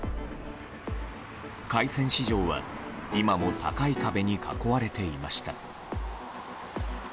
海鮮市場は今も高い壁に囲われていました。